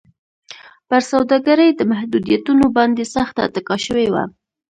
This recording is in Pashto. پر سوداګرۍ د محدودیتونو باندې سخته اتکا شوې وه.